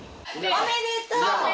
おめでとう！